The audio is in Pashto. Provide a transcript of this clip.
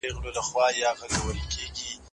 خندا د ټولنیز باور نښه ده.